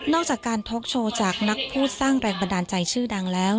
จากการท็อกโชว์จากนักพูดสร้างแรงบันดาลใจชื่อดังแล้ว